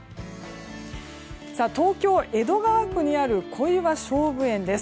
東京・江戸川区にある小岩菖蒲園です。